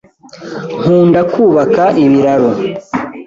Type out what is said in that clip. Nkunda kubaka ibiraro.